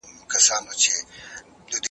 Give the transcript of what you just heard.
مهرباني زړونه نرموي.